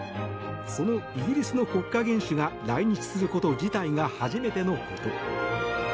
そのイギリスの国家元首が来日すること自体が初めてのこと。